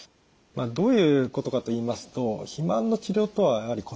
どういうことかといいますと肥満の治療とはやはり異なります。